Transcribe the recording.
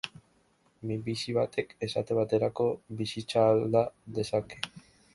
Minbizi batek, esate baterako, bizitza alda dezake.